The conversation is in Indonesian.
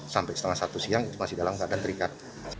sampai setengah satu siang itu masih dalam keadaan terikat